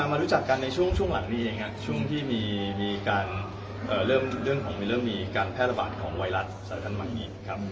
ก็มารู้จักกันในช่วงลัดนี้เองครับช่วงที่มีเรื่องของมีเรื่องมีการแพร่ระบาดของไวรัสสรรมบากอีกครับ